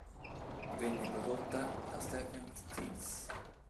Venne prodotta da Stephen Stills.